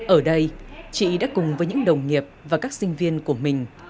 ở đây chị đã cùng với những đồng nghiệp và các sinh viên của mình